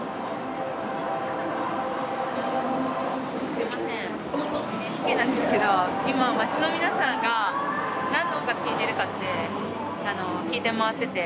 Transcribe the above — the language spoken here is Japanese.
すいませんＮＨＫなんですけどいま街の皆さんが何の音楽聴いてるかって聞いて回ってて。